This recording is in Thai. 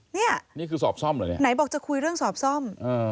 นี่คือสอบซ่อมเหรอเนี่ยไหนบอกจะคุยเรื่องสอบซ่อม